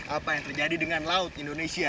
apa yang terjadi dengan laut indonesia